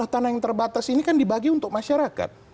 tanah yang terbatas ini kan dibagi untuk masyarakat